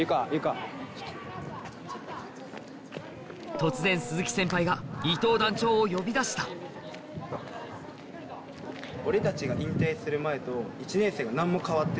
突然鈴木先輩が伊藤団長を呼び出した何でかっていうと。